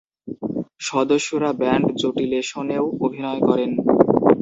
সদস্যরা ব্যান্ড জটিলেশনেও অভিনয় করেন।